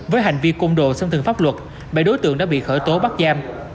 với hành vi công đồ xâm thường pháp luật bệ đối tượng đã bị khởi tố bắt giam